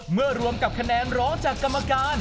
รวมกับคะแนนร้องจากกรรมการ